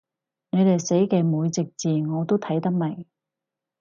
你哋寫嘅每隻字我都睇得明